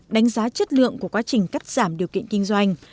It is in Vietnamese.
đánh giá chất lượng của quá trình cắt giảm điều kiện kinh doanh